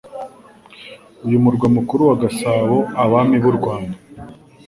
Uyu murwa mukuru wa Gasabo abami b'u Rwanda